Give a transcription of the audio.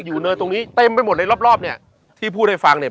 เนยตรงนี้เต็มไปหมดเลยรอบรอบเนี่ยที่พูดให้ฟังเนี่ย